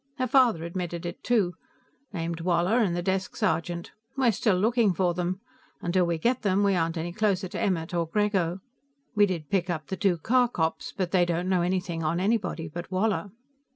Her father admitted it, too; named Woller and the desk sergeant. We're still looking for them; till we get them, we aren't any closer to Emmert or Grego. We did pick up the two car cops, but they don't know anything on anybody but Woller."